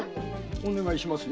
お願いしますよ。